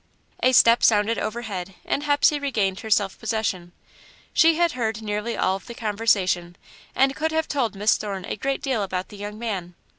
A step sounded overhead, and Hepsey regained her self possession. She had heard nearly all of the conversation and could have told Miss Thorne a great deal about the young man.